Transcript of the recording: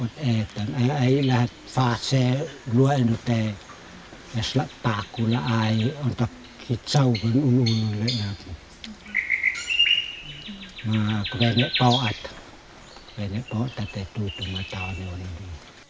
kewenak pawat perempuan yang duduk tanggung wajib dengan tangannya bagi